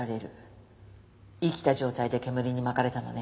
生きた状態で煙に巻かれたのね。